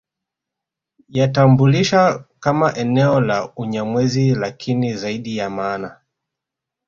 Yatambulisha kama eneo la Unyamwezi lakini zaidi ya maana